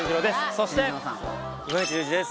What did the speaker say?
そして今市隆二です